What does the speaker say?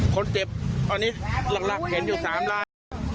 คนเจ็บตอนนี้หลักเห็นอยู่๓ลาย